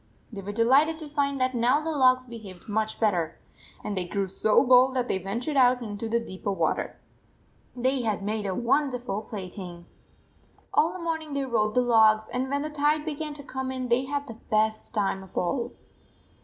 They were delighted to find that now the logs be haved much better, and they grew so bold that they ventured out into deeper water. They had made a wonderful plaything. 130 All the morning they rode the logs, and when the tide began to come in, they had the best time of all.